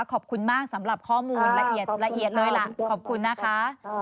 ขอบคุณมากสำหรับข้อมูลละเอียดละเอียดเลยล่ะขอบคุณนะคะ